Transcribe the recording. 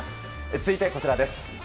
続いてはこちらです。